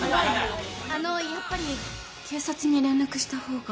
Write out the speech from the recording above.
あのやっぱり警察に連絡した方が。